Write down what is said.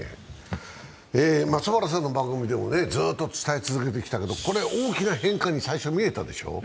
松原さんの番組でもずっと伝え続けてきたけどこれ、大きな変化に最初、見えたでしょ？